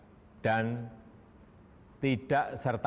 masukan pada kegiatan peluang organisasi dan organisasi tidak bisa diselamatkan